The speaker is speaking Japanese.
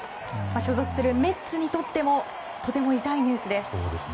所属するメッツにとってもとても痛いニュースです。